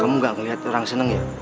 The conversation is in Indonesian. kamu gak ngeliat orang senang ya